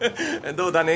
どうだね？